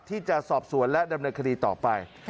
ที่จะสอบสวนและดำเนินคดีต่อไป